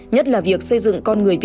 nhất là việc xây dựng con người